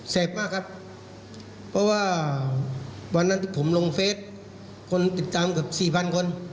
มากครับเพราะว่าวันนั้นที่ผมลงเฟสคนติดตามเกือบสี่พันคน